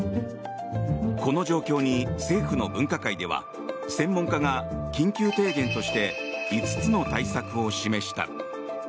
この状況に政府の分科会では専門家が緊急提言として５つの対策を示した。